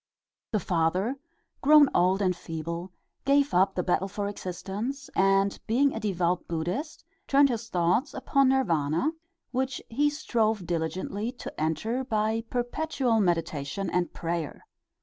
The father, grown old and feeble, gave up the battle for existence, and being a devout Buddhist, turned his thoughts upon Nirvana, which he strove diligently to enter by perpetual meditation and prayer.